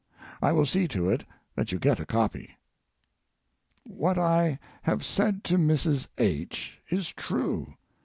I will see to it that you get a copy. What I have said to Mrs. H. is true.